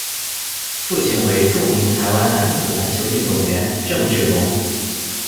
父亲为着名台湾男子篮球运动员郑志龙。